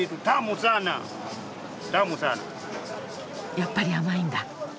やっぱり甘いんだ。